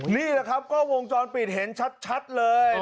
นี่แหละครับกล้องวงจรปิดเห็นชัดเลย